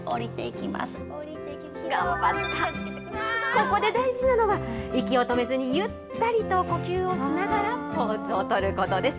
ここで大事なのは、息を止めずにゆったりと呼吸をしながらポーズを取ることです。